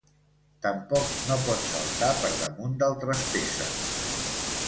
Tampoc no pot saltar per damunt d'altres peces.